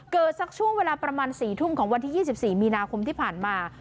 สักช่วงเวลาประมาณ๔ทุ่มของวันที่๒๔มีนาคมที่ผ่านมา